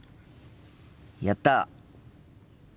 やった！